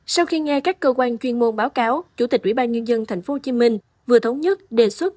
sau khi nghe các cơ quan chuyên môn báo cáo chủ tịch ubnd tp hcm vừa thống nhất đề xuất